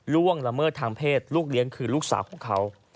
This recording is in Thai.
ล่วงละเมิดทางเพศลูกเลี้ยงคือลูกสาวของเขา